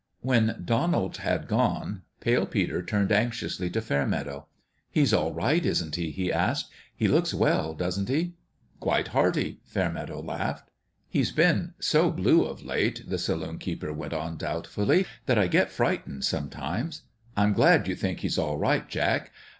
When Donald had gone, Pale Peter turned anxiously to Fairmeadow. " He's all right, isn't he ?" he asked. " He looks well, doesn't he ?"" Quite hearty," Fairmeadow laughed. " He's been so blue, of late," the saloon keeper went on, doubtfully, " that I get frightened, sometimes. I'm glad you think he's all right, Jack.